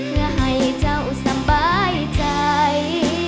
เพื่อให้เจ้าสบายใจ